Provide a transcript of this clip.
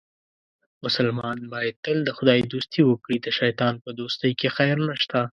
مسلمان باید تل د خدای دوستي وکړي، د شیطان په دوستۍ کې خیر نشته.